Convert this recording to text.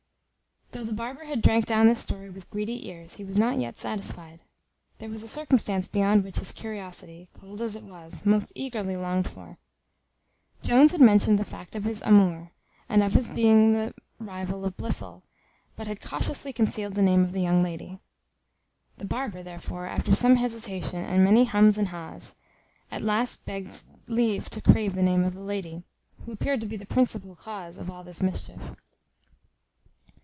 Though the barber had drank down this story with greedy ears, he was not yet satisfied. There was a circumstance behind which his curiosity, cold as it was, most eagerly longed for. Jones had mentioned the fact of his amour, and of his being the rival of Blifil, but had cautiously concealed the name of the young lady. The barber, therefore, after some hesitation, and many hums and hahs, at last begged leave to crave the name of the lady, who appeared to be the principal cause of all this mischief.